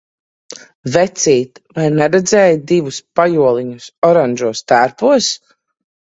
Vecīt, vai neredzēji divus pajoliņus oranžos tērpos?